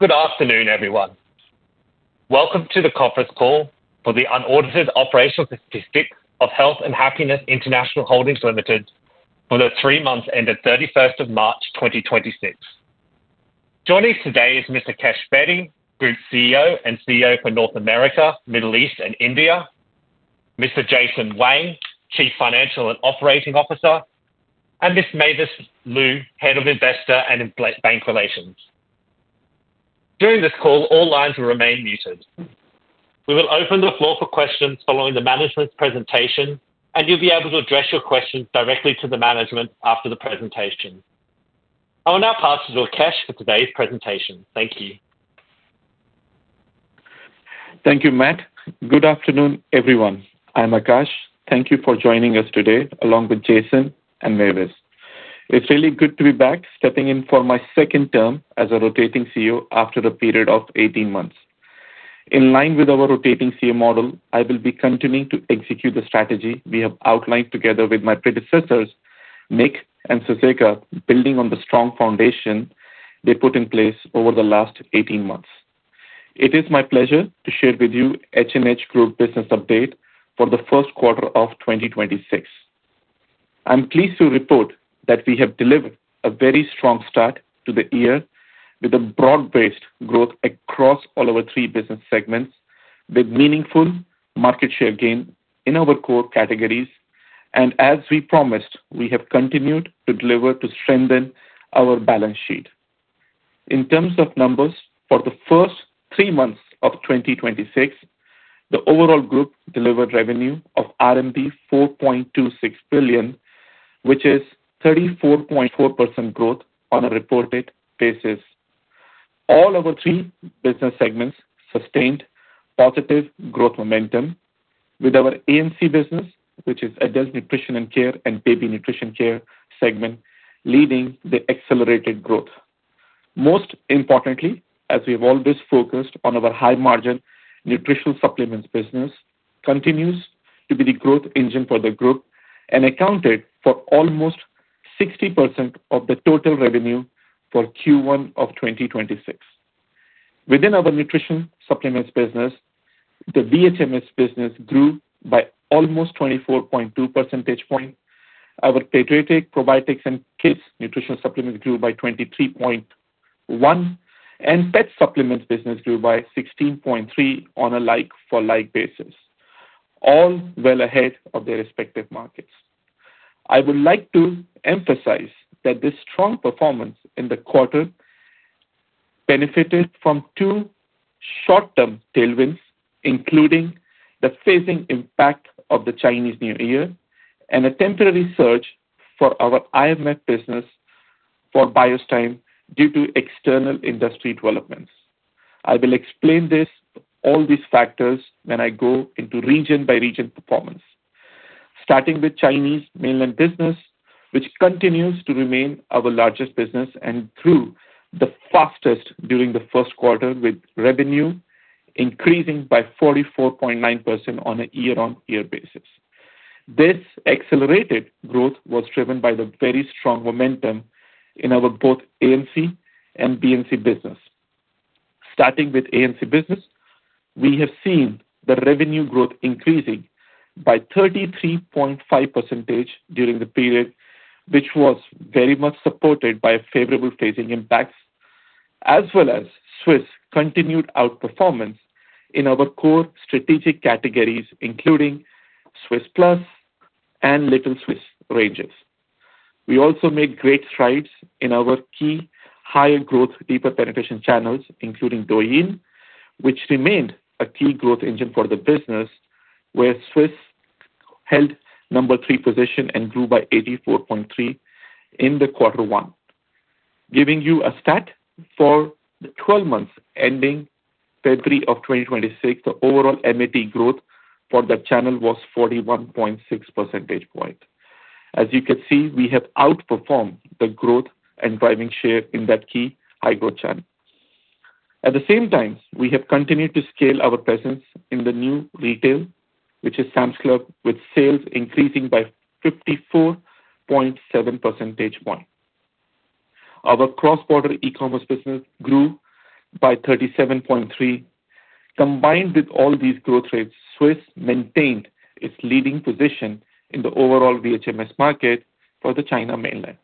Good afternoon, everyone. Welcome to the conference call for the unaudited operational statistics of Health and Happiness International Holdings Limited for the three months ended 31st of March 2026. Joining us today is Mr. Akash Bedi, Group CEO and CEO for North America, Middle East, and India, Mr. Jason Wang, Chief Financial and Operating Officer, and Ms. Mavis Lu, Head of Investor and Bank Relations. During this call, all lines will remain muted. We will open the floor for questions following the management's presentation, and you'll be able to address your questions directly to the management after the presentation. I will now pass it to Akash for today's presentation. Thank you. Thank you, Matt. Good afternoon, everyone. I'm Akash. Thank you for joining us today along with Jason and Mavis. It's really good to be back, stepping in for my second term as a rotating CEO after the period of 18 months. In line with our rotating CEO model, I will be continuing to execute the strategy we have outlined together with my predecessors, Mick and Suceka, building on the strong foundation they put in place over the last 18 months. It is my pleasure to share with you H&H Group business update for the first quarter of 2026. I'm pleased to report that we have delivered a very strong start to the year with a broad-based growth across all our three business segments, with meaningful market share gain in our core categories. As we promised, we have continued to deliver to strengthen our balance sheet. In terms of numbers, for the first three months of 2026, the overall group delivered revenue of RMB 4.26 billion, which is 34.4% growth on a reported basis. All our three business segments sustained positive growth momentum with our ANC business, which is Adult Nutrition and Care and Baby Nutrition and Care segment, leading the accelerated growth. Most importantly, as we have always focused on our high margin nutritional supplements business, continues to be the growth engine for the group and accounted for almost 60% of the total revenue for Q1 of 2026. Within our nutrition supplements business, the VHMS business grew by almost 24.2 percentage point. Our Pediatric, Probiotics, and Kids nutrition supplements grew by 23.1%, and Pet Supplements business grew by 16.3% on a like-for-like basis, all well ahead of their respective markets. I would like to emphasize that this strong performance in the quarter benefited from two short-term tailwinds, including the phasing impact of the Chinese New Year and a temporary surge for our IMF business for Biostime due to external industry developments. I will explain all these factors when I go into region-by-region performance. Starting with Chinese mainland business, which continues to remain our largest business and grew the fastest during the first quarter, with revenue increasing by 44.9% on a year-over-year basis. This accelerated growth was driven by the very strong momentum in our both ANC and BNC business. Starting with ANC business, we have seen the revenue growth increasing by 33.5% during the period, which was very much supported by favorable phasing impacts, as well as Swisse continued outperformance in our core strategic categories, including Swisse Plus and Little Swisse ranges. We also made great strides in our key higher growth, deeper penetration channels, including Douyin, which remained a key growth engine for the business, where Swisse held number three position and grew by 84.3% in quarter one. Giving you a stat for the 12 months ending February of 2026, the overall MAP growth for that channel was 41.6 percentage point. As you can see, we have outperformed the growth and driving share in that key high growth channel. At the same time, we have continued to scale our presence in the New Retail, which is Sam's Club, with sales increasing by 54.7 percentage point. Our cross-border e-commerce business grew by 37.3%. Combined with all these growth rates, Swisse maintained its leading position in the overall VHMS market for the mainland China.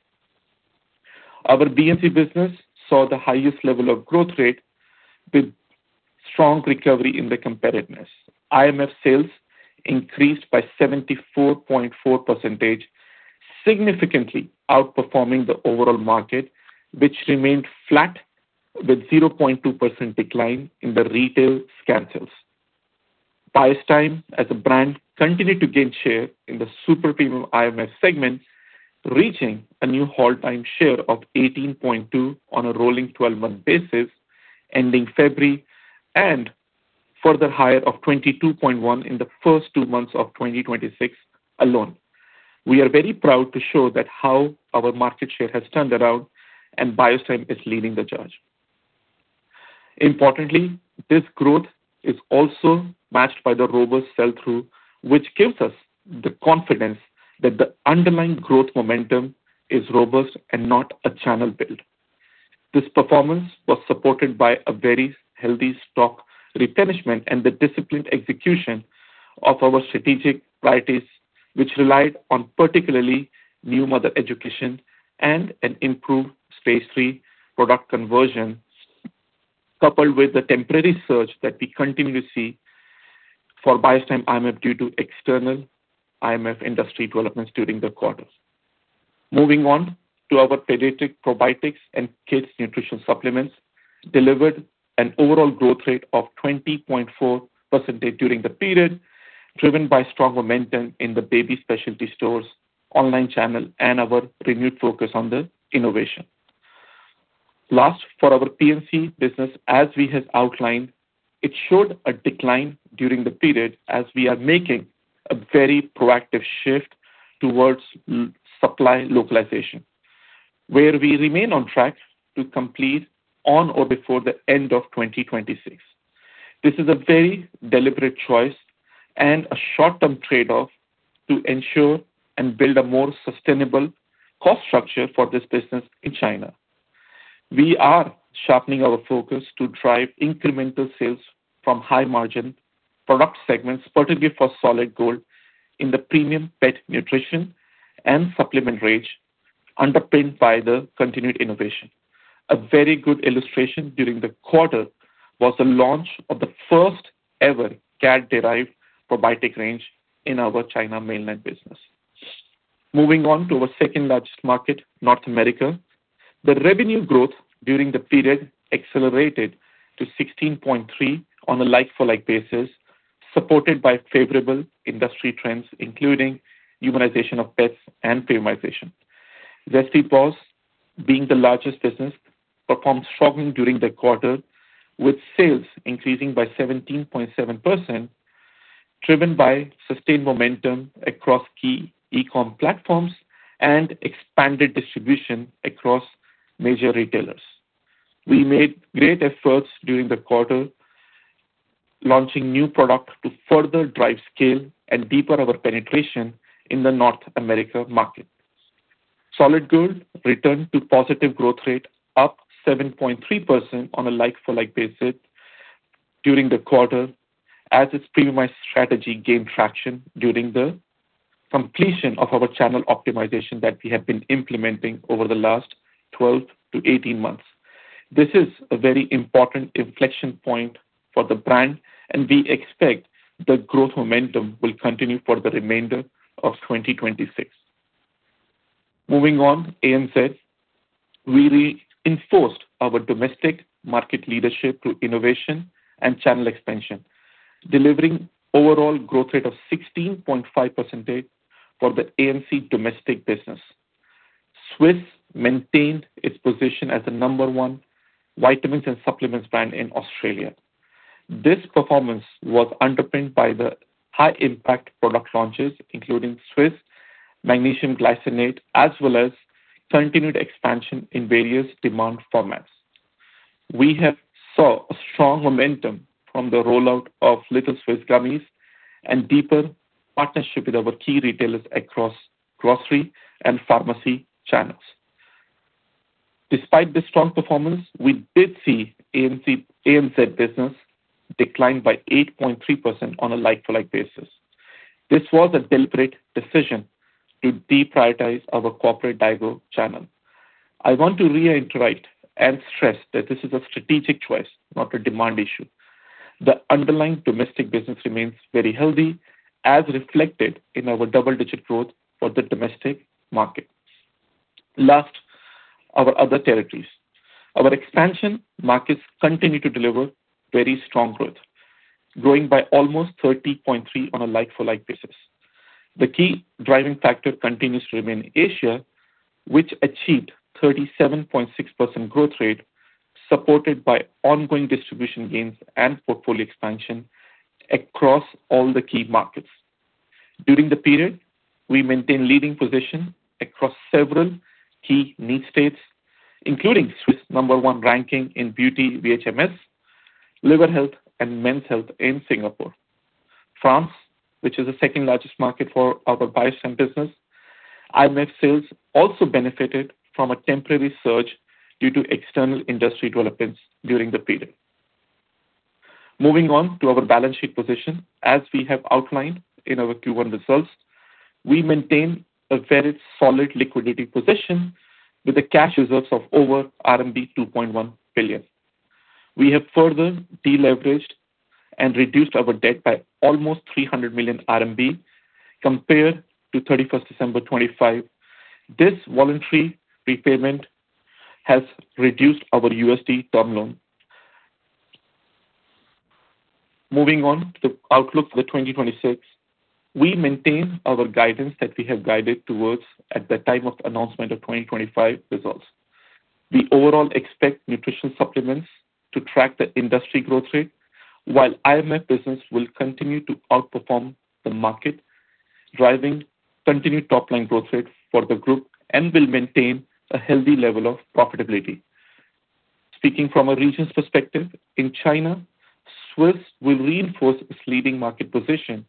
Our BNC business saw the highest level of growth rate with strong recovery in the competitiveness. IMF sales increased by 74.4%, significantly outperforming the overall market, which remained flat with a 0.2% decline in the retail scan sales. Biostime as a brand continued to gain share in the super premium IMF segment, reaching a new all-time share of 18.2% on a rolling 12-month basis ending February, and further higher of 22.1% in the first two months of 2026 alone. We are very proud to show how our market share has turned around and Biostime is leading the charge. Importantly, this growth is also matched by the robust sell-through, which gives us the confidence that the underlying growth momentum is robust and not a channel build. This performance was supported by a very healthy stock replenishment and the disciplined execution of our strategic priorities, which relied on particularly new mother education and an improved Stage 3 product conversion, coupled with the temporary surge that we continue to see for Biostime IMF due to external IMF industry developments during the quarter. Moving on to our pediatric probiotics and kids nutrition supplements, delivered an overall growth rate of 20.4% during the period, driven by strong momentum in the baby specialty stores online channel and our renewed focus on the innovation. Last, for our PNC business, as we have outlined, it showed a decline during the period as we are making a very proactive shift towards supply localization, where we remain on track to complete on or before the end of 2026. This is a very deliberate choice and a short-term trade-off to ensure and build a more sustainable cost structure for this business in China. We are sharpening our focus to drive incremental sales from high-margin product segments, particularly for Solid Gold in the premium pet nutrition and supplement range, underpinned by the continued innovation. A very good illustration during the quarter was the launch of the first ever cat-derived probiotic range in our China mainland business. Moving on to our second-largest market, North America. The revenue growth during the period accelerated to 16.3% on a like-for-like basis, supported by favorable industry trends including humanization of pets and premiumization. Zesty Paws, being the largest business, performed strongly during the quarter, with sales increasing by 17.7%, driven by sustained momentum across key e-com platforms and expanded distribution across major retailers. We made great efforts during the quarter, launching new product to further drive scale and deepen our penetration in the North America market. Solid Gold returned to positive growth rate up 7.3% on a like-for-like basis during the quarter as its premiumized strategy gained traction during the completion of our channel optimization that we have been implementing over the last 12-18 months. This is a very important inflection point for the brand, and we expect the growth momentum will continue for the remainder of 2026. Moving on, ANZ really reinforced our domestic market leadership through innovation and channel expansion, delivering overall growth rate of 16.5% for the ANC domestic business. Swisse maintained its position as the number one vitamins and supplements brand in Australia. This performance was underpinned by the high impact product launches, including Swisse Magnesium Glycinate, as well as continued expansion in various demand formats. We have seen a strong momentum from the rollout of Little Swisse Gummies and deeper partnership with our key retailers across grocery and pharmacy channels. Despite the strong performance, we did see ANZ business decline by 8.3% on a like-for-like basis. This was a deliberate decision to deprioritize our corporate Daigou channel. I want to reiterate and stress that this is a strategic choice, not a demand issue. The underlying domestic business remains very healthy, as reflected in our double-digit growth for the domestic market. Last, our other territories. Our expansion markets continue to deliver very strong growth, growing by almost 30.3% on a like-for-like basis. The key driving factor continues to remain Asia, which achieved 37.6% growth rate, supported by ongoing distribution gains and portfolio expansion across all the key markets. During the period, we maintained leading position across several key need states, including Swisse number one ranking in beauty VHMS, liver health, and men's health in Singapore. France, which is the second-largest market for our Biostime business, IMF sales also benefited from a temporary surge due to external industry developments during the period. Moving on to our balance sheet position. As we have outlined in our Q1 results, we maintain a very solid liquidity position with cash reserves of over RMB 2.1 billion. We have further deleveraged and reduced our debt by almost 300 million RMB compared to 31st December 2025. This voluntary repayment has reduced our USD term loan. Moving on to the outlook for 2026. We maintain our guidance that we have guided towards at the time of announcement of 2025 results. We overall expect nutrition supplements to track the industry growth rate while IMF business will continue to outperform the market, driving continued top-line growth rates for the group and will maintain a healthy level of profitability. Speaking from a region's perspective, in China, Swisse will reinforce its leading market position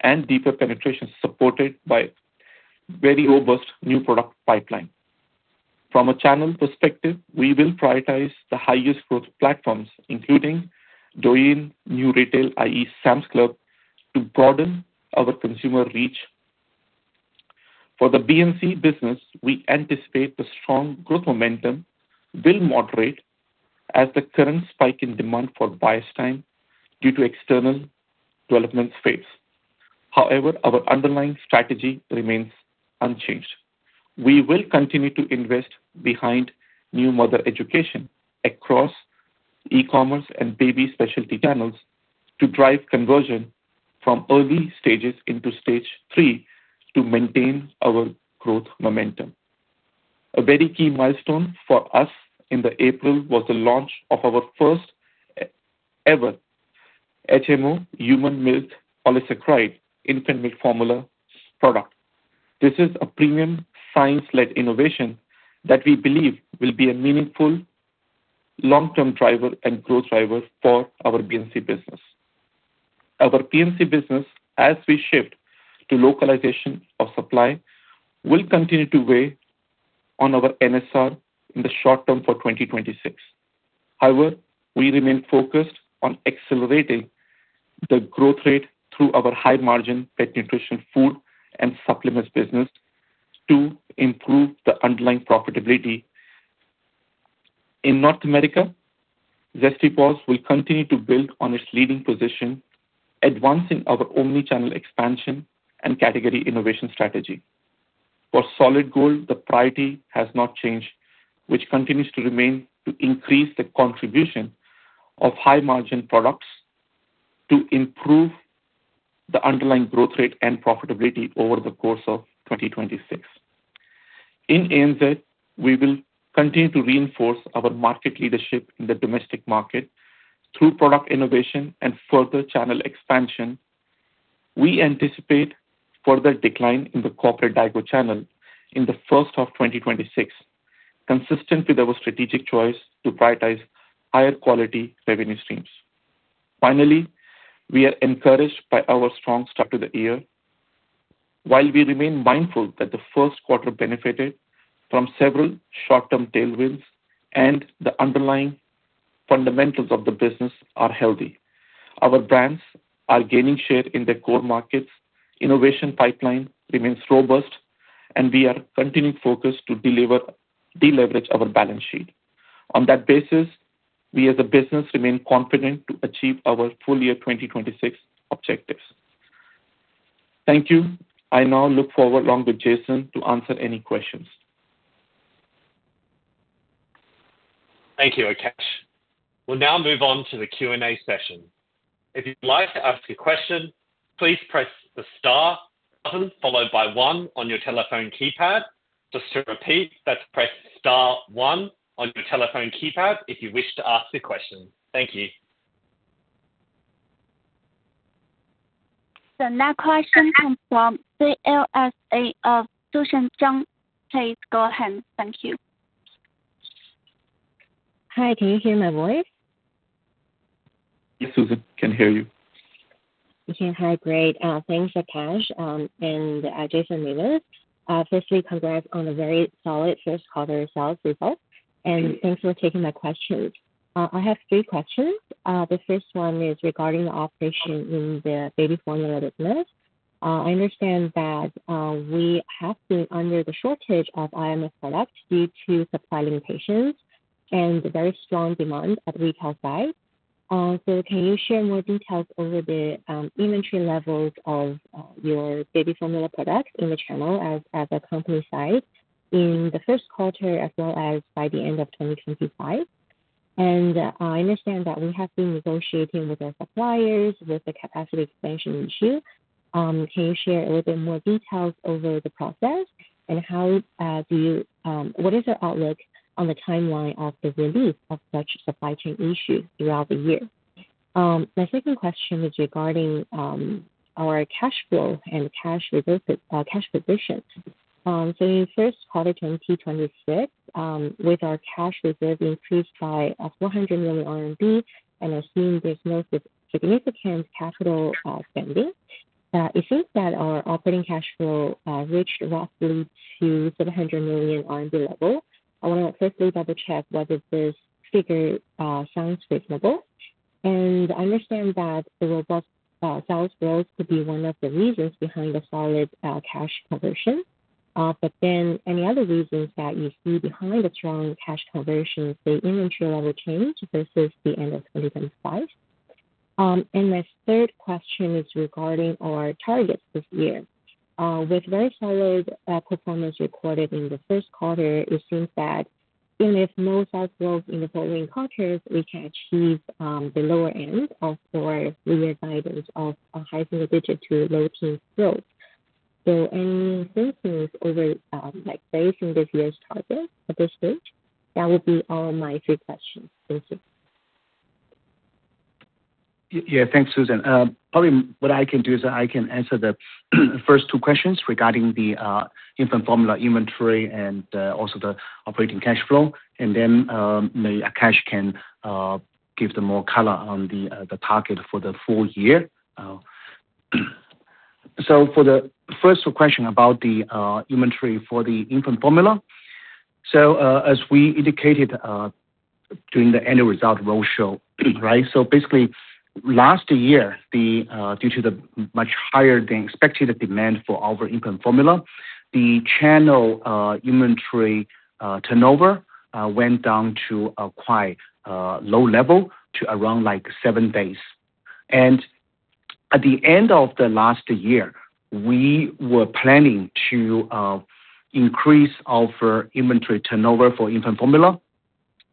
and deeper penetration, supported by very robust new product pipeline. From a channel perspective, we will prioritize the highest growth platforms, including Douyin new retail, i.e., Sam's Club, to broaden our consumer reach. For the PNC business, we anticipate the strong growth momentum will moderate as the current spike in demand for Biostime due to external development fades. However, our underlying strategy remains unchanged. We will continue to invest behind new mother education across e-commerce and baby specialty channels to drive conversion from early stages into Stage 3 to maintain our growth momentum. A very key milestone for us in April was the launch of our first ever HMO, human milk oligosaccharide infant milk formula product. This is a premium science-led innovation that we believe will be a meaningful long-term driver and growth driver for our PNC business. Our PNC business, as we shift to localization of supply, will continue to weigh on our NSR in the short term for 2026. However, we remain focused on accelerating the growth rate through our high margin pet nutrition, food, and supplements business to improve the underlying profitability. In North America, Zesty Paws will continue to build on its leading position, advancing our omnichannel expansion and category innovation strategy. For Solid Gold, the priority has not changed, which continues to remain to increase the contribution of high margin products to improve the underlying growth rate and profitability over the course of 2026. In ANZ, we will continue to reinforce our market leadership in the domestic market through product innovation and further channel expansion. We anticipate further decline in the corporate Daigou channel in the first half of 2026, consistent with our strategic choice to prioritize higher quality revenue streams. Finally, we are encouraged by our strong start to the year while we remain mindful that the first quarter benefited from several short-term tailwinds and the underlying fundamentals of the business are healthy. Our brands are gaining share in their core markets. Innovation pipeline remains robust, and we are continuing to focus to deleverage our balance sheet. On that basis, we as a business remain confident to achieve our full year 2026 objectives. Thank you. I now look forward, along with Jason, to answer any questions. Thank you, Akash. We'll now move on to the Q&A session. If you'd like to ask a question, please press the star button followed by one on your telephone keypad. Just to repeat, that's press star one on your telephone keypad if you wish to ask a question. Thank you. The next question comes from CLSA of Susan Zhang. Please go ahead. Thank you. Hi, can you hear my voice? Yes, Susan, I can hear you. Okay. Hi, great. Thanks, Akash and Jason Miller. Firstly, congrats on a very solid first quarter sales result, and thanks for taking my questions. I have three questions. The first one is regarding the operation in the baby formula business. I understand that we have been under the shortage of IMF products due to supply limitations and very strong demand at retail side. Can you share more details over the inventory levels of your baby formula products in the channel as a company side in the first quarter, as well as by the end of 2025? I understand that we have been negotiating with our suppliers with the capacity expansion issue. Can you share a little bit more details over the process and what is your outlook on the timeline of the relief of such supply chain issues throughout the year? My second question is regarding our cash flow and cash position. In first quarter 2026, with our cash reserve increased by 400 million RMB and assuming there's no significant capital spending, it seems that our operating cash flow reached roughly to 700 million level. I want to firstly double check whether this figure sounds reasonable, and I understand that the robust sales growth could be one of the reasons behind the solid cash conversion. Any other reasons that you see behind the strong cash conversion, the inventory level change versus the end of 2025. My third question is regarding our targets this year. With very solid performance recorded in the first quarter, it seems that even if no sales growth in the following quarters, we can achieve the lower end of our three-year guidance of a high single-digit to low teen growth. Any thinkings over, like, basing this year's target at this stage? That would be all my three questions. Thank you. Thanks, Susan. Probably what I can do is I can answer the first two questions regarding the infant formula inventory and also the operating cash flow, and then maybe Akash can give them more color on the target for the full year. For the first question about the inventory for the infant formula. As we indicated during the annual result roadshow. Basically, last year, due to the much higher than expected demand for our infant formula, the channel inventory turnover went down to a quite low level to around seven days. At the end of the last year, we were planning to increase our inventory turnover for infant formula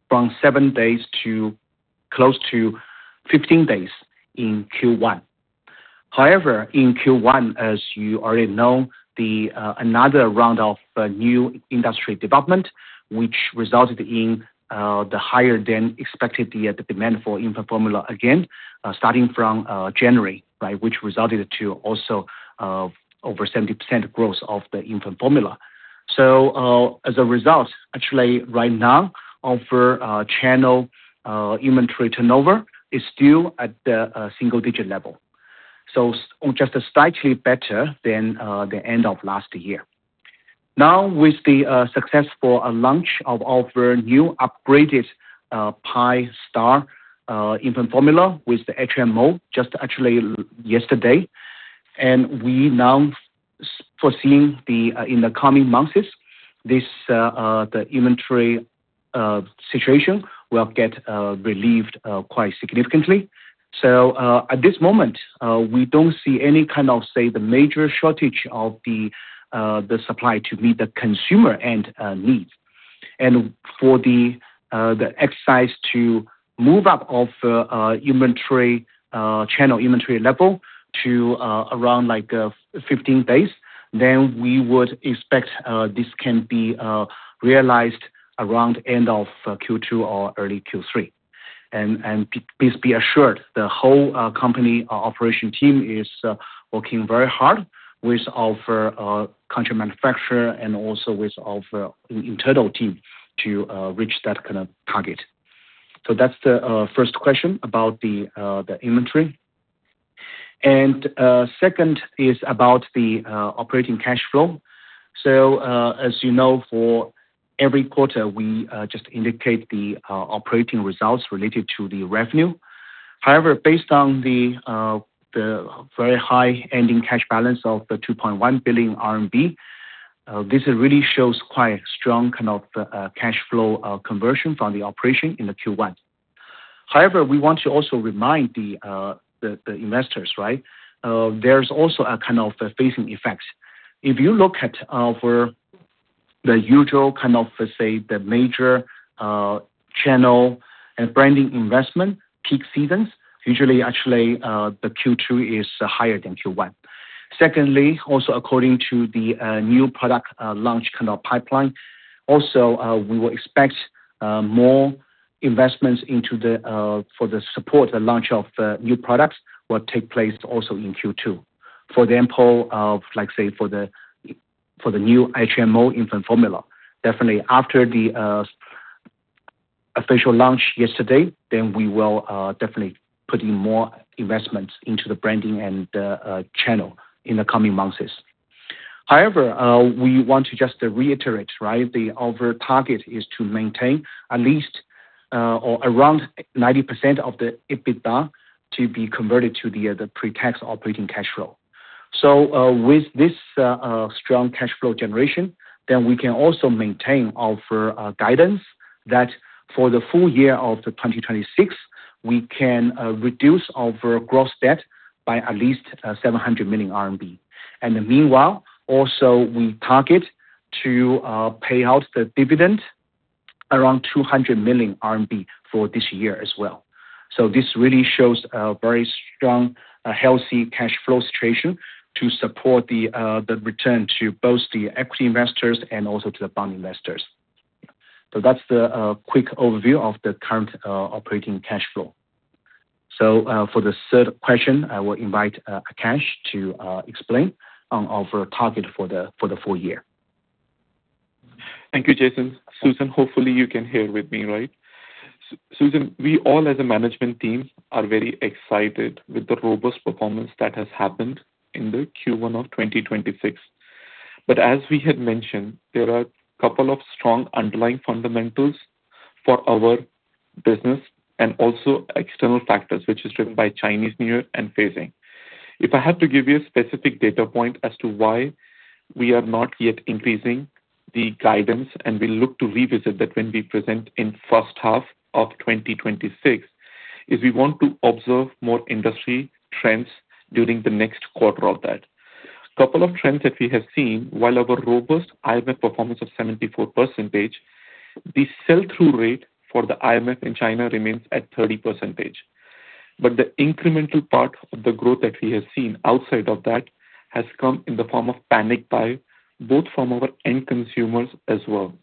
from seven days to close to 15 days in Q1. However, in Q1, as you already know, another round of new industry development, which resulted in the higher than expected demand for infant formula again, starting from January, which resulted to also over 70% growth of the infant formula. As a result, actually right now, our channel inventory turnover is still at the single-digit level. Just slightly better than the end of last year. Now with the successful launch of our new upgraded Biostime infant formula with the HMO, just actually yesterday, and we now foresee, in the coming months, the inventory situation will get relieved quite significantly. At this moment, we don't see any kind of, say, the major shortage of the supply to meet the consumer end needs. For the exercise to move up of the channel inventory level to around 15 days, then we would expect this can be realized around end of Q2 or early Q3. Please be assured, the whole company operation team is working very hard with our contract manufacturer and also with our internal team to reach that kind of target. That's the first question about the inventory. Second is about the operating cash flow. As you know, for every quarter, we just indicate the operating results related to the revenue. However, based on the very high ending cash balance of 2.1 billion RMB, this really shows quite strong cash flow conversion from the operation in the Q1. However, we want to also remind the investors, there's also a kind of phasing effect. If you look at the usual kind of, say, the major channel and branding investment peak seasons, usually, actually, the Q2 is higher than Q1. Secondly, also according to the new product launch kind of pipeline, also, we will expect more investments for the support launch of new products will take place also in Q2. For example, let's say for the new HMO infant formula. Definitely after the official launch yesterday, then we will definitely put in more investments into the branding and the channel in the coming months. However, we want to just reiterate. Our target is to maintain at least or around 90% of the EBITDA to be converted to the pre-tax operating cash flow. With this strong cash flow generation, then we can also maintain our guidance that for the full year of 2026, we can reduce our gross debt by at least 700 million RMB. Meanwhile, also we target to pay out the dividend around 200 million RMB for this year as well. This really shows a very strong, healthy cash flow situation to support the return to both the equity investors and also to the bond investors. That's the quick overview of the current operating cash flow. For the third question, I will invite Akash to explain on our target for the full year. Thank you, Jason. Susan, hopefully you can hear with me, right? Susan, we all as a management team are very excited with the robust performance that has happened in the Q1 of 2026. As we had mentioned, there are a couple of strong underlying fundamentals for our business and also external factors, which is driven by Chinese New Year and phasing. If I had to give you a specific data point as to why we are not yet increasing the guidance, and we look to revisit that when we present in first half of 2026, is we want to observe more industry trends during the next quarter of that. A couple of trends that we have seen while our robust IMF performance of 74%, the sell-through rate for the IMF in China remains at 30%. The incremental part of the growth that we have seen outside of that has come in the form of panic buy, both from our end consumers as well,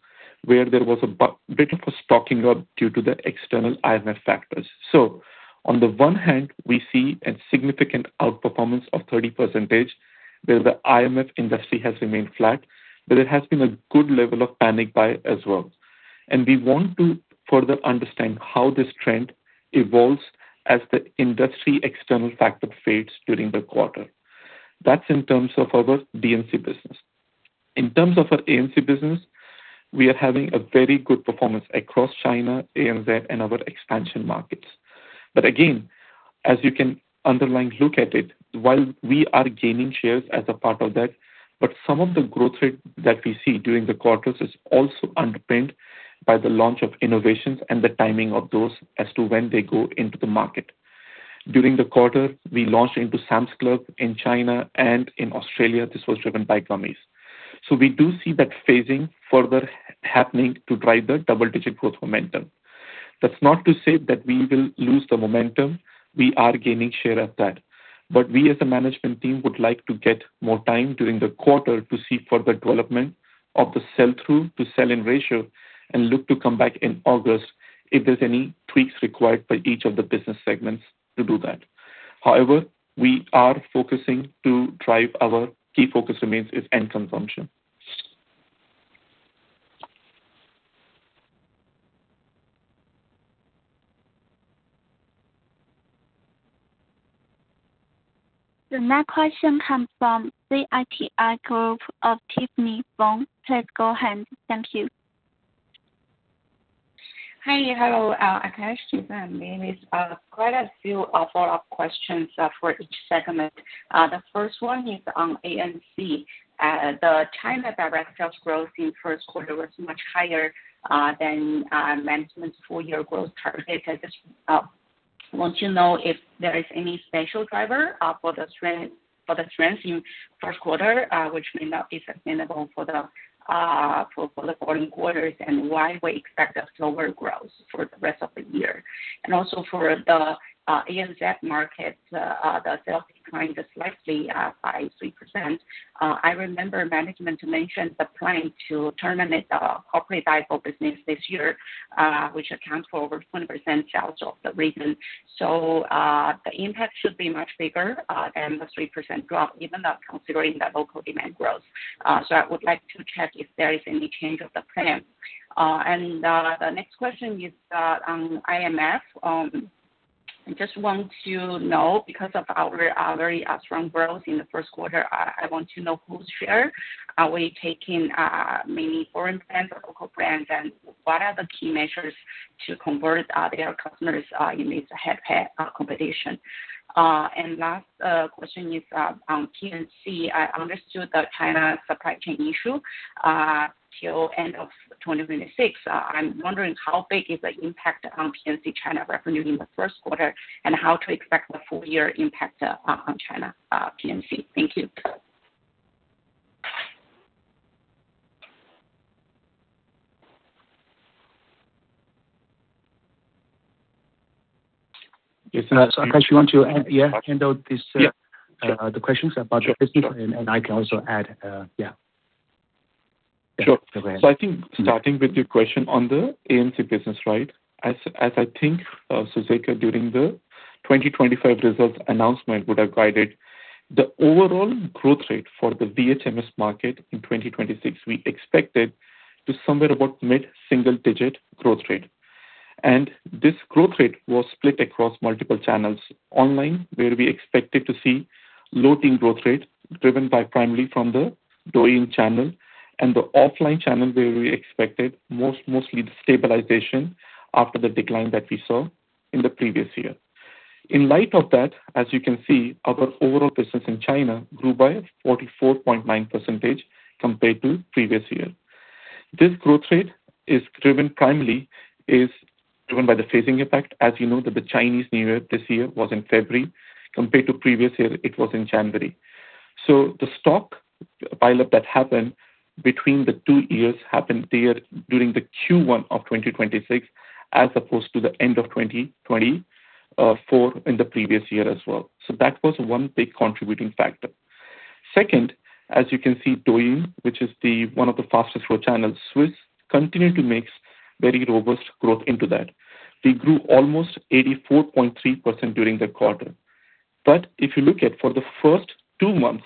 where there was a bit of a stocking up due to the external IMF factors. On the one hand, we see a significant outperformance of 30%, where the IMF industry has remained flat, but it has been a good level of panic buy as well. We want to further understand how this trend evolves as the industry external factor fades during the quarter. That's in terms of our BNC business. In terms of our ANC business, we are having a very good performance across China, ANZ, and our expansion markets. Again, as you can underline, look at it, while we are gaining shares as a part of that, but some of the growth rate that we see during the quarters is also underpinned by the launch of innovations and the timing of those as to when they go into the market. During the quarter, we launched into Sam's Club in China and in Australia. This was driven by gummies. We do see that phasing further happening to drive the double-digit growth momentum. That's not to say that we will lose the momentum. We are gaining share at that. We as a management team would like to get more time during the quarter to see further development of the sell-through to sell-in ratio and look to come back in August if there's any tweaks required by each of the business segments to do that. However, our key focus remains end consumption. The next question comes from Citi of Tiffany Wong. Please go ahead. Thank you. Hi. Hello, Akash. Quite a few follow-up questions for each segment. The first one is on ANC. The China direct sales growth in first quarter was much higher than management's full-year growth target. I just want to know if there is any special driver for the strength in first quarter which may not be sustainable for the following quarters. Why we expect a slower growth for the rest of the year? For the ANZ market, the sales declined slightly by 3%. I remember management mentioned the plan to terminate the corporate Daigou business this year, which accounts for over 20% of sales of the region. The impact should be much bigger than the 3% drop, even not considering the local demand growth. I would like to check if there is any change of the plan. The next question is on IMF. I just want to know, because of our very strong growth in the first quarter, I want to know whose share are we taking, mainly foreign brands or local brands? What are the key measures to convert their customers in this head-to-head competition? Last question is on PNC. I understood the China supply chain issue till end of 2026. I'm wondering how big is the impact on PNC China revenue in the first quarter and how to expect the full year impact on China PNC. Thank you. Akash, do you want to handle this? Yeah, sure, the questions about your business and I can also add. Yeah. Sure. I think starting with your question on the ANC business, right? As I think Suceka Li during the 2025 results announcement would have guided the overall growth rate for the VHMS market in 2026, we expected to somewhere about mid-single digit growth rate. This growth rate was split across multiple channels. Online, where we expected to see double-digit growth rate driven by primarily from the Douyin channel and the offline channel, where we expected mostly the stabilization after the decline that we saw in the previous year. In light of that, as you can see, our overall business in China grew by 44.9% compared to previous year. This growth rate is driven primarily by the phasing effect. As you know that the Chinese New Year this year was in February compared to previous year, it was in January. The stock pile-up that happened between the two years happened there during the Q1 of 2026, as opposed to the end of 2024 in the previous year as well. That was one big contributing factor. Second, as you can see, Douyin, which is one of the fastest growing channels, which continue to make very robust growth into that. We grew almost 84.3% during the quarter. If you look at for the first two months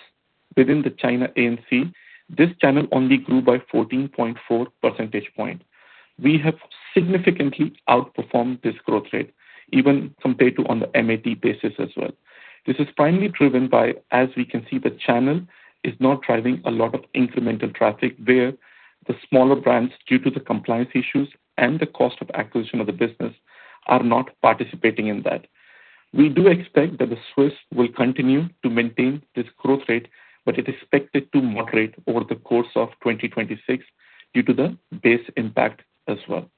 within the China BNC, this channel only grew by 14.4 percentage point. We have significantly outperformed this growth rate even compared to on the MAT basis as well. This is primarily driven by, as we can see, the channel is now driving a lot of incremental traffic where the smaller brands, due to the compliance issues and the cost of acquisition of the business, are not participating in that. We do expect that Swisse will continue to maintain this growth rate, but it is expected to moderate over the course of 2026 due to the base impact as well.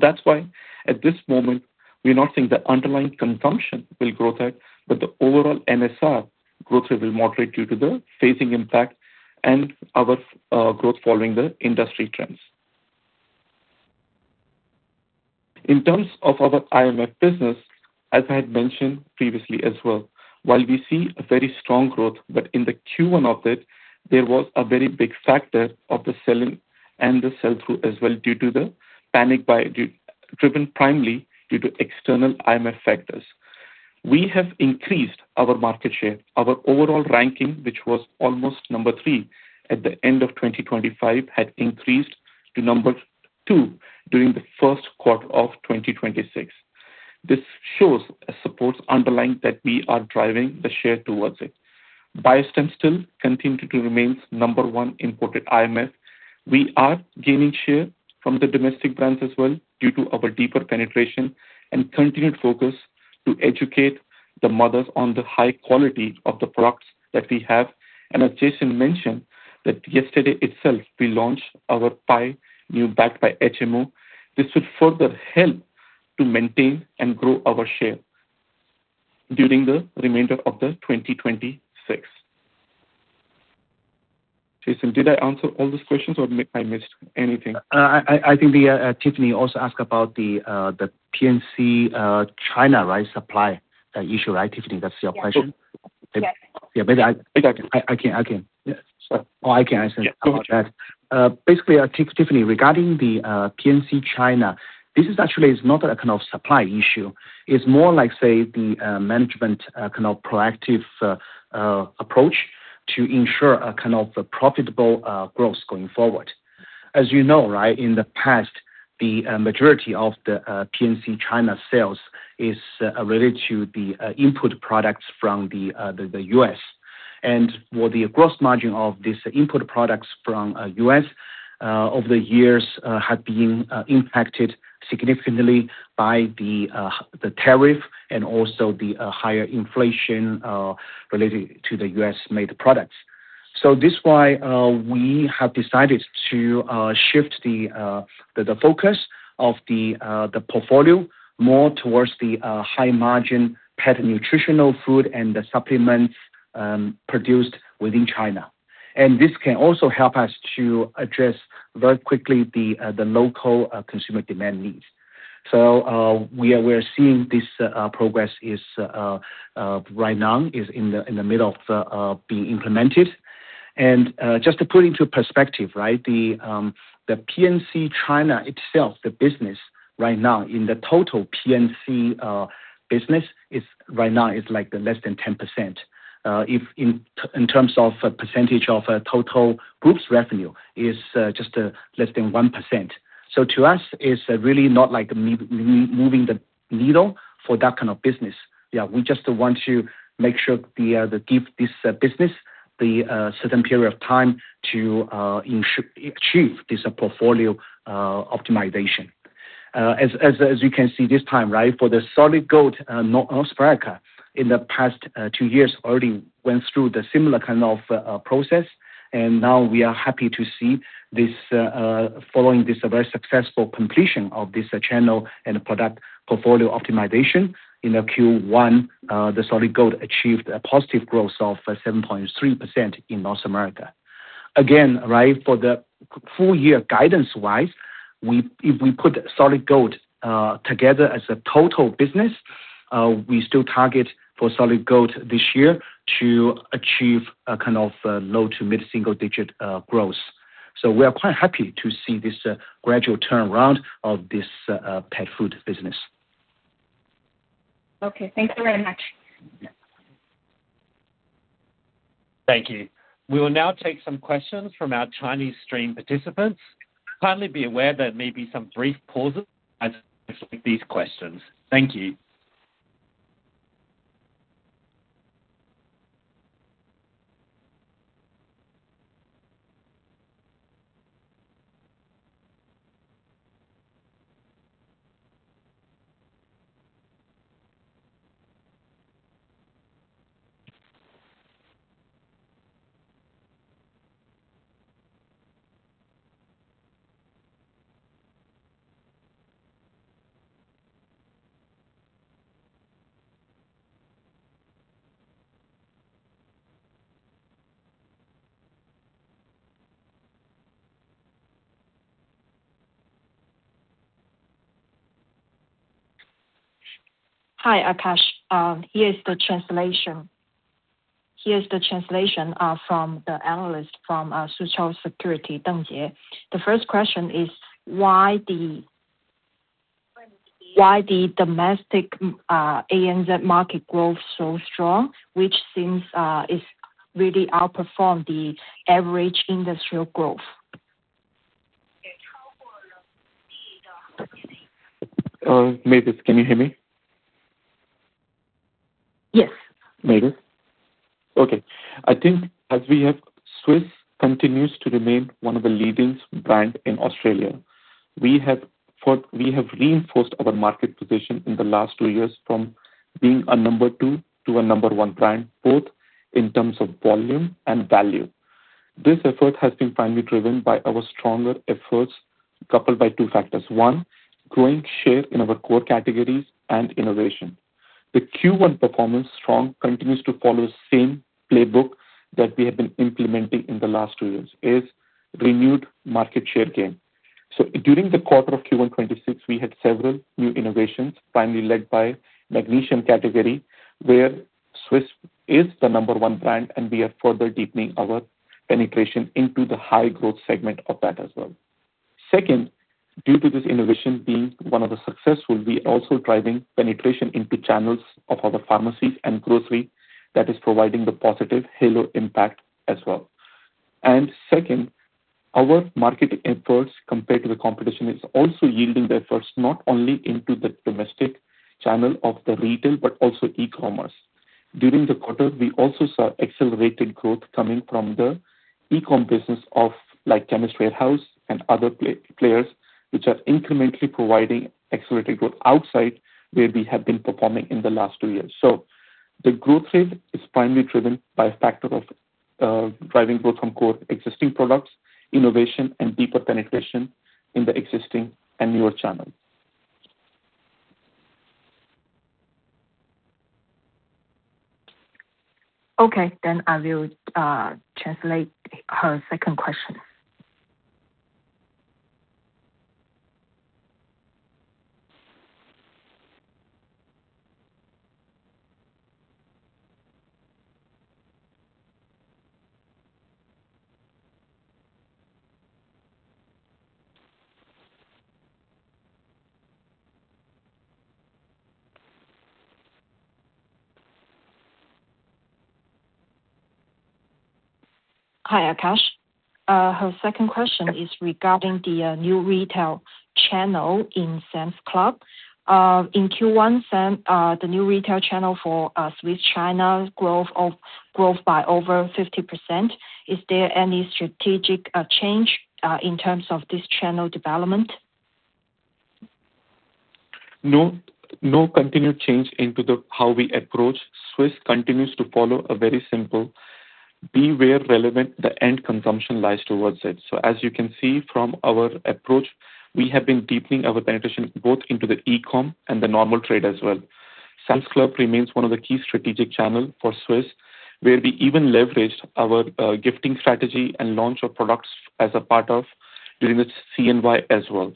That's why at this moment, we're not seeing the underlying consumption will grow that but the overall NSR growth rate will moderate due to the phasing impact and other growth following the industry trends. In terms of our IMF business, as I had mentioned previously as well, while we see a very strong growth, but in the Q1 of it, there was a very big factor of the selling and the sell-through as well, driven primarily due to external IMF factors. We have increased our market share. Our overall ranking, which was almost number three at the end of 2025, had increased to number two during the first quarter of 2026. This shows and supports underlying that we are driving the share towards it. Biostime still continue to remain number one imported IMF. We are gaining share from the domestic brands as well due to our deeper penetration and continued focus to educate the mothers on the high quality of the products that we have. As Jason mentioned, that yesterday itself, we launched our Biostime, new backed by HMO. This would further help to maintain and grow our share during the remainder of the 2026. Jason, did I answer all those questions or if I missed anything? I think Tiffany also asked about the PNC China supply issue, right, Tiffany? That's your question? Yes. Yeah. Think I can. I can. Yes. I can answer that. Yeah, go ahead. Basically, Tiffany, regarding the PNC China, this is actually not a kind of supply issue. It's more like, say, the management kind of proactive approach to ensure a profitable growth going forward. As you know, right, in the past, the majority of the PNC China sales is related to the input products from the U.S., and for the gross margin of this input products from U.S., over the years, had been impacted significantly by the tariff and also the higher inflation relating to the U.S.-made products. This is why we have decided to shift the focus of the portfolio more towards the high-margin pet nutritional food and the supplements produced within China. This can also help us to address very quickly the local consumer demand needs. We are seeing this progress right now is in the middle of being implemented. Just to put into perspective, right, the PNC China itself, the business right now in the total PNC business right now is less than 10%. In terms of percentage of total group's revenue is just less than 1%. To us, it's really not moving the needle for that kind of business. Yeah, we just want to make sure we give this business the certain period of time to achieve this portfolio optimization. As you can see this time, right, for the Solid Gold North America, in the past two years, already went through the similar kind of process. Now we are happy to see, following this very successful completion of this channel and product portfolio optimization in Q1, the Solid Gold achieved a positive growth of 7.3% in North America. Again, right, for the full year guidance-wise, if we put Solid Gold together as a total business, we still target for Solid Gold this year to achieve a low to mid-single-digit growth. We are quite happy to see this gradual turnaround of this pet food business. Okay. Thanks very much. Yeah. Thank you. We will now take some questions from our Chinese stream participants. Kindly be aware there may be some brief pauses as these questions. Thank you. Hi, Akash. Here is the translation. Here is the translation from the analyst from Soochow Securities, Deng Jie. The first question is: Why is the domestic ANZ market growth so strong, which seems it's really outperformed the average industrial growth? Mavis, can you hear me? Yes. Mavis? Okay. I think Swisse continues to remain one of the leading brands in Australia. We have reinforced our market position in the last two years from being a number two to a number one brand, both in terms of volume and value. This effort has been primarily driven by our stronger efforts, coupled by two factors, one, growing share in our core categories and innovation. The Q1 performance strong continues to follow the same playbook that we have been implementing in the last two years, is renewed market share gain. During the quarter of Q1 2026, we had several new innovations, primarily led by magnesium category, where Swisse is the number one brand, and we are further deepening our penetration into the high growth segment of that as well. Second, due to this innovation being one of the successful, we also driving penetration into channels of other pharmacies and grocery that is providing the positive halo impact as well. Second, our market efforts compared to the competition is also yielding efforts not only into the domestic channel of the retail, but also e-commerce. During the quarter, we also saw accelerated growth coming from the e-commerce business of Chemist Warehouse and other players, which are incrementally providing accelerated growth outside where we have been performing in the last two years. The growth rate is primarily driven by factor of driving growth from core existing products, innovation and deeper penetration in the existing and new channels. Okay. I will translate her second question. Hi, Akash. Her second question is regarding the New Retail channel in Sam's Club. In Q1, the New Retail channel for Swisse China grew by over 50%. Is there any strategic change in terms of this channel development? No continued change in how we approach. Swisse continues to follow a very simple be where the relevant end consumption lies towards it. As you can see from our approach, we have been deepening our penetration both into the e-commerce and the normal trade as well. Sam's Club remains one of the key strategic channel for Swisse, where we even leveraged our gifting strategy and launch of products as part of during this CNY as well.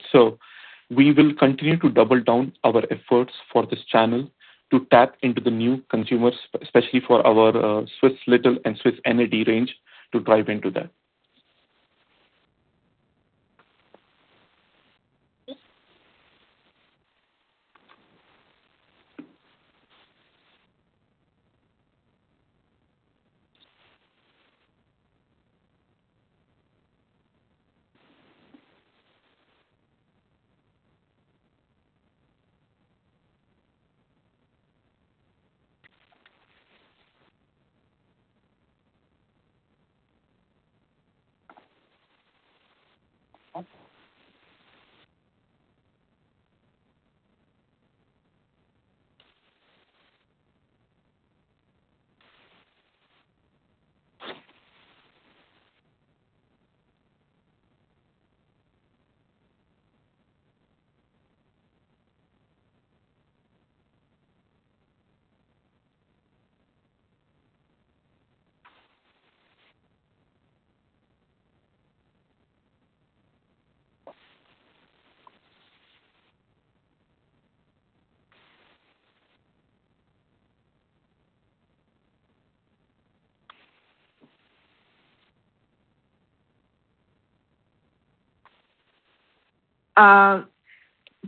We will continue to double down on our efforts for this channel to tap into the new consumers, especially for our Swisse Little and Swisse Energy range to drive into that.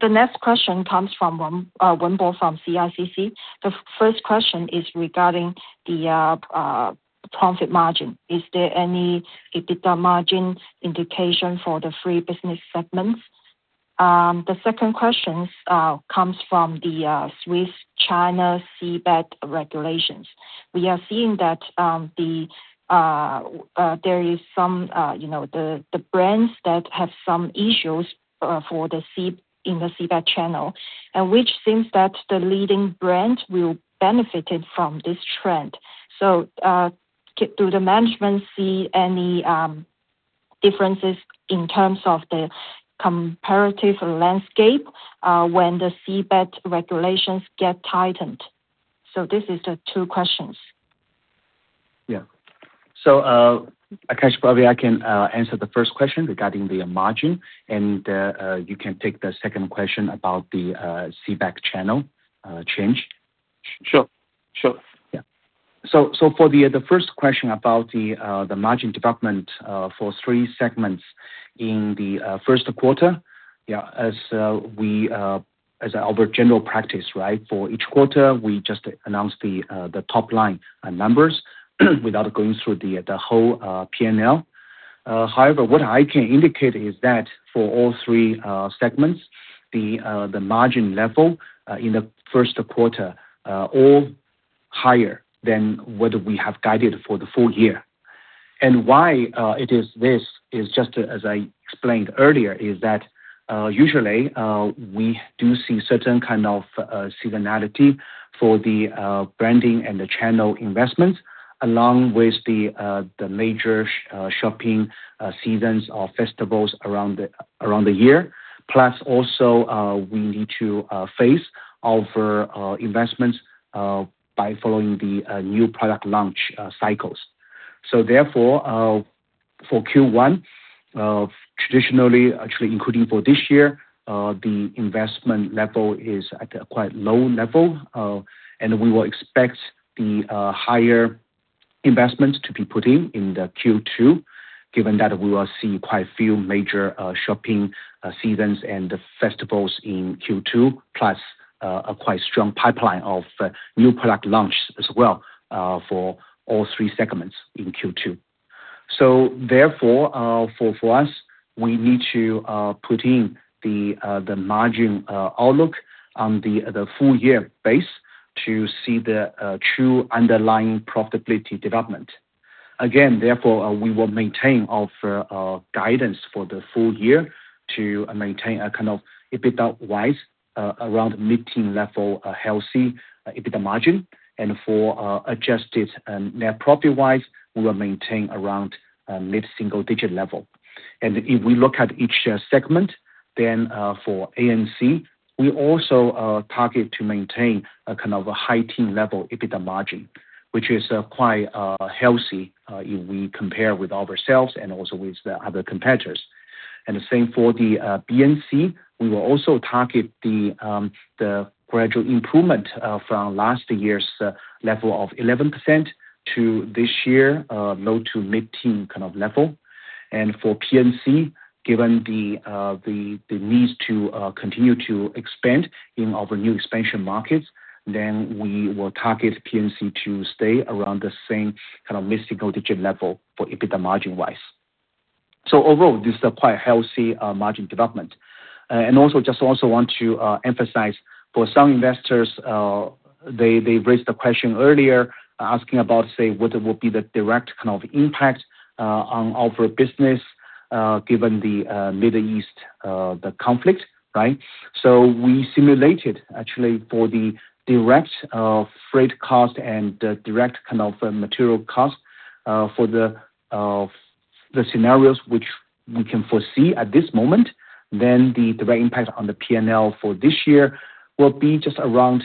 The next question comes from Wu Bo from CICC. The first question is regarding the profit margin. Is there any EBITDA margin indication for the three business segments? The second question comes from the Swisse China CBEC regulations. We are seeing that the brands that have some issues in the CBEC channel, and which seems that the leading brand will benefited from this trend. Do the management see any differences in terms of the competitive landscape, when the CBEC regulations get tightened? This is the two questions. Yeah. Akash, probably I can answer the first question regarding the margin, and you can take the second question about the CBEC channel change. Sure. Yeah. For the first question about the margin development, for three segments in the first quarter, as our general practice, right, for each quarter, we just announced the top line numbers without going through the whole P&L. However, what I can indicate is that for all three segments, the margin level in the first quarter, all higher than what we have guided for the full year. Why it is this is just as I explained earlier, is that, usually, we do see certain kind of seasonality for the branding and the channel investments, along with the major shopping seasons or festivals around the year. Plus also, we need to phase our investments by following the new product launch cycles. Therefore, for Q1, traditionally, actually including for this year, the investment level is at a quite low level. We will expect the higher investments to be put in the Q2, given that we will see quite a few major shopping seasons and festivals in Q2, plus a quite strong pipeline of new product launches as well for all three segments in Q2. Therefore, for us, we need to put in the margin outlook on the full year base to see the true underlying profitability development. Again, therefore, we will maintain our guidance for the full year to maintain a kind of EBITDA-wise around mid-teen level, a healthy EBITDA margin. For adjusted net profit-wise, we will maintain around mid-single digit level. If we look at each segment, then for ANC, we also target to maintain a kind of high-teen level EBITDA margin, which is quite healthy if we compare with ourselves and also with the other competitors. The same for the BNC. We will also target the gradual improvement from last year's level of 11% to this year, low to mid-teen kind of level. For PNC, given the needs to continue to expand in our new expansion markets, then we will target PNC to stay around the same kind of mid-single digit level for EBITDA margin wise. Overall, this is a quite healthy margin development. We also just want to emphasize for some investors, they raised a question earlier asking about, say, what will be the direct kind of impact on our business, given the Middle East conflict. We simulated actually for the direct freight cost and the direct kind of material cost, for the scenarios which we can foresee at this moment, then the direct impact on the P&L for this year will be just around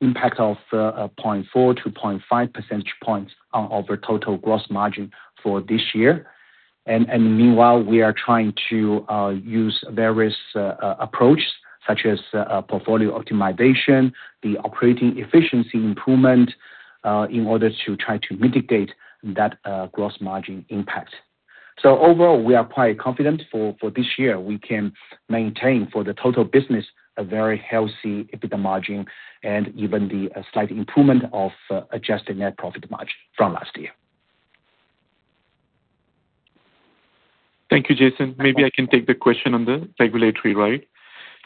impact of 0.4-0.5 percentage points on our total gross margin for this year. Meanwhile, we are trying to use various approaches such as portfolio optimization, the operating efficiency improvement, in order to try to mitigate that gross margin impact. Overall, we are quite confident for this year, we can maintain for the total business a very healthy EBITDA margin and even the slight improvement of adjusted net profit margin from last year. Thank you, Jason. Maybe I can take the question on the regulatory, right?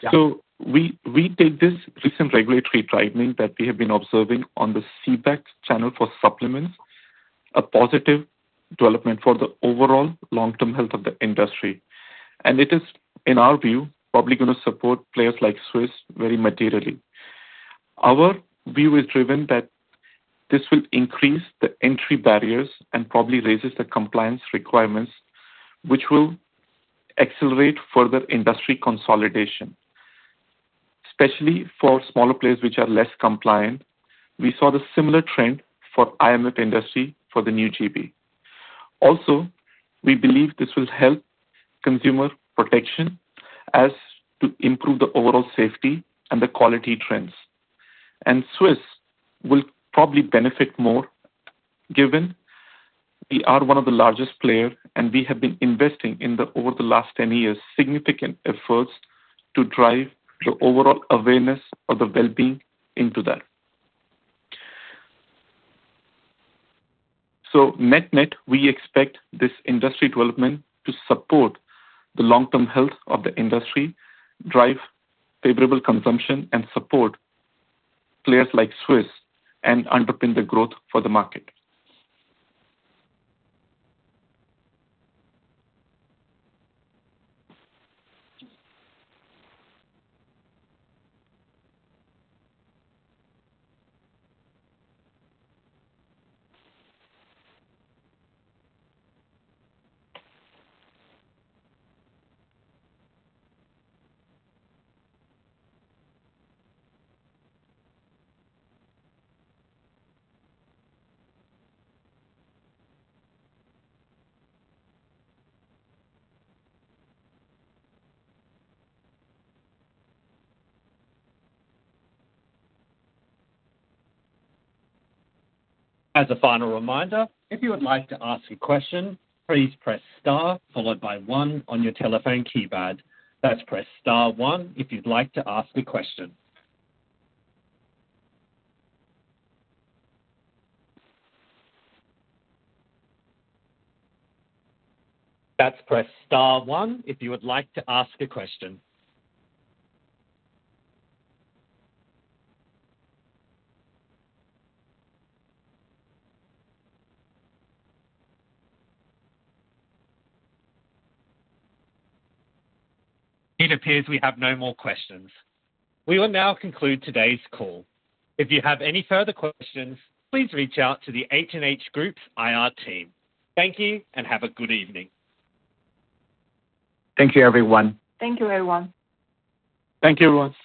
Yeah. We take this recent regulatory tightening that we have been observing on the CBEC channel for supplements, a positive development for the overall long-term health of the industry. It is, in our view, probably going to support players like Swisse very materially. Our view is driven that this will increase the entry barriers and probably raises the compliance requirements, which will accelerate further industry consolidation, especially for smaller players which are less compliant. We saw the similar trend for IMF industry for the new GB. Also, we believe this will help consumer protection as to improve the overall safety and the quality trends. Swisse will probably benefit more given we are one of the largest player, and we have been investing in the, over the last 10 years, significant efforts to drive the overall awareness of the wellbeing into that. Net-net, we expect this industry development to support the long-term health of the industry, drive favorable consumption, and support players like Swisse and underpin the growth for the market. As a final reminder, if you would like to ask a question, please press star followed by one on your telephone keypad. That's press star one if you'd like to ask a question. That's press star one if you would like to ask a question. It appears we have no more questions. We will now conclude today's call. If you have any further questions, please reach out to the H&H Group's IR team. Thank you and have a good evening. Thank you, everyone. Thank you, everyone. Thank you, everyone.